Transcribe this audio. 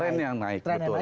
tren yang naik betul